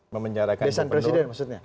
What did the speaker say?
memenjarakan presiden maksudnya